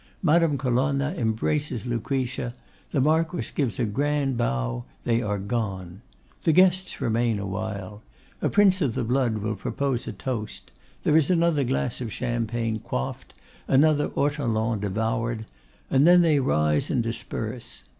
Madame Colonna embraces Lucretia; the Marquess gives a grand bow: they are gone. The guests remain awhile. A Prince of the blood will propose a toast; there is another glass of champagne quaffed, another ortolan devoured; and then they rise and disperse.